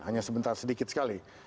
hanya sebentar sedikit sekali